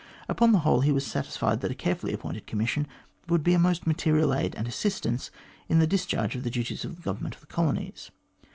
Upon the whole, he was satisfied that a carefully appointed commission would be a most material aid and assistance in the discharge of the duties of the government of the colonies.